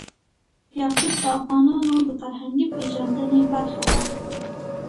یاقوت د افغانانو د فرهنګي پیژندنې برخه ده.